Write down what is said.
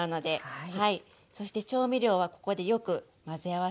はい。